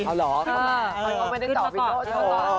ขึ้นมาต่อขึ้นมาต่อ